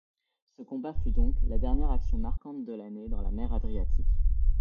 Ce combat fut donc la dernière action marquante de l’année dans la mer Adriatique.